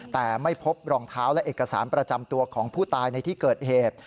แต่ไม่พบรองเท้าและเอกสารประจำตัวของผู้ตายในที่เกิดเหตุ